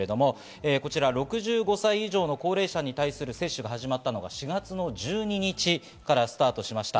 ６５歳以上の高齢者に対する接種が始まったのが４月１２日からスタートしました。